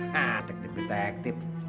nah tek tek detektif